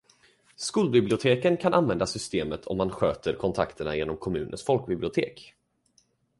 Skolbiblioteken kan använda systemet om man sköter kontakterna genom kommunens folkbibliotek.